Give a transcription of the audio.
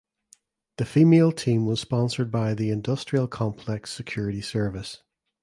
The female team was sponsored by the industrial complex security service.